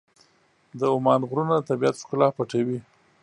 د عمان غرونه د طبیعت ښکلا پټوي.